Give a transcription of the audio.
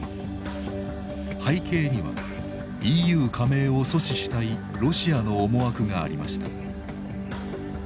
背景にはＥＵ加盟を阻止したいロシアの思惑がありました。